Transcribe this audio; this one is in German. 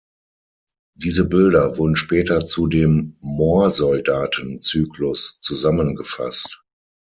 Diese Bilder wurden später zu dem „Moorsoldaten“-Zyklus zusammengefasst.